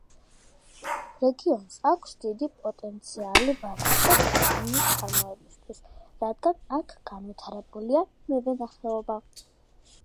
რეგიონს აქვს დიდი პოტენციალი ვაზის და კონიაკის წარმოებისთვის, რადგან აქ განვითარებულია მევენახეობა.